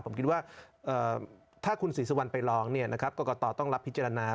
ผมคิดว่าถ้าคุณศิษย์วัลไปร้องกรกฎอต้องรับพิจารณา